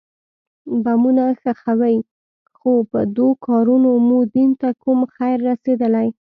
بمونه ښخوئ خو په دو کارونو مو دين ته کوم خير رسېدلى.